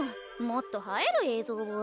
もっと映える映像を。